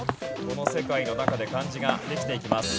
この世界の中で漢字ができていきます。